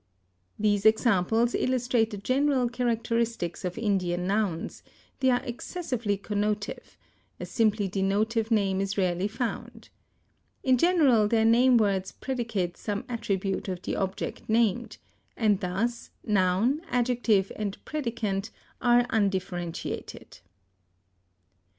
These examples illustrate the general characteristics of Indian nouns; they are excessively connotive; a simply denotive name is rarely found. In general their name words predicate some attribute of the object named, and thus noun, adjective, and predicant are undifferentiated.